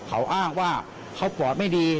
เขาอ้างว่าเขาปอดไม่ดี